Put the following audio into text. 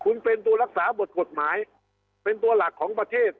คุณเป็นตัวรักษาบทกฎหมายเป็นตัวหลักของประเทศ